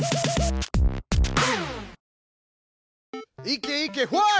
いけいけ！